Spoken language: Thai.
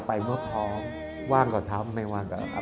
เมื่อพร้อมว่างก็ทำไม่ว่างก็ทำ